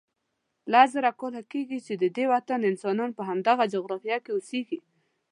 لس زره کاله کېږي چې ددې وطن انسانان په همدغه جغرافیه کې اوسیږي.